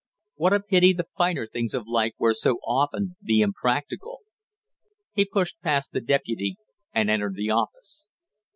What a pity the finer things of life were so often the impractical! He pushed past the deputy and entered the office.